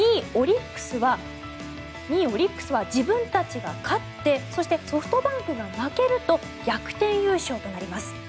一方、２位オリックスは自分たちが勝ってそしてソフトバンクが負けると逆転優勝となります。